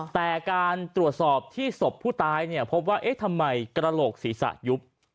แต่การตรวจสอบที่ศพผู้ตายเนี่ยพบว่าเอ๊ะทำไมกระโหลกศีรษะยุบ